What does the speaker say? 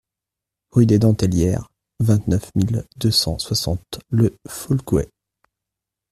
Rue des Dentelières, vingt-neuf mille deux cent soixante Le Folgoët